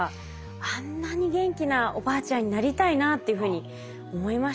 あんなに元気なおばあちゃんになりたいなっていうふうに思いましたね。